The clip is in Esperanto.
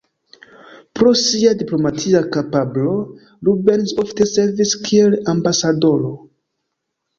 Pro sia diplomatia kapablo, Rubens ofte servis kiel ambasadoro.